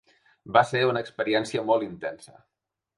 Va ser una experiència molt intensa.